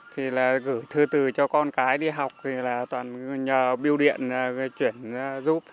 thì là gửi thư từ cho con cái đi học thì là toàn nhờ biêu điện chuyển giúp